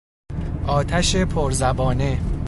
آتش پر زبانه